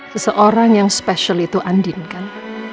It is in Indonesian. seseorang ini adalah nama penting